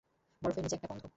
বরফের নিচে একটা গন্ধ।